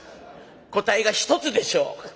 答えが１つでしょう？